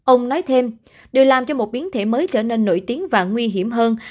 ông nói thêm điều làm cho một biến thể mới trở nên nổi tiếng và nguy hiểm hơn